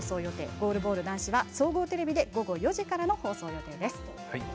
ゴールボール男子は総合テレビで午後４時からの放送予定です。